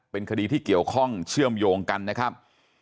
เป็นคดีที่เกี่ยวข้องเชื่อมโยงกันนะครับ